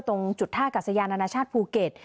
ตรงจุดท่ากัศยานานาชาติภูเก็ต